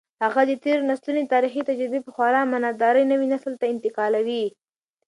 هغه د تېرو نسلونو تاریخي تجربې په خورا امانتدارۍ نوي نسل ته انتقالوي.